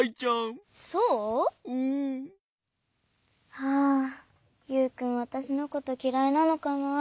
はあユウくんわたしのこときらいなのかな？